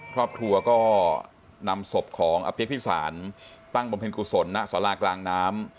ครอบครัวก็นำศพของอภิพิสารตั้งบำเพ็ญกุศลณสารากลางน้ำ